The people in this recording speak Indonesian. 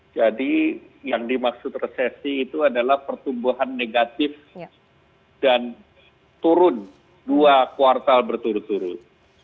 jadi yang dimaksud resesi itu adalah pertumbuhan negatif dan turun dua kuartal berturut turut